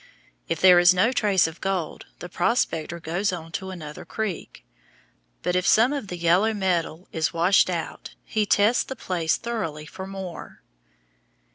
If there is no trace of gold, the prospector goes on to another creek; but if some of the yellow metal is washed out, he tests the place thoroughly for more.